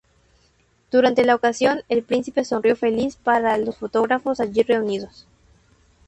Durante la ocasión, el príncipe sonrió feliz para los fotógrafos allí reunidos.